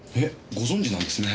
ご存じなんですね。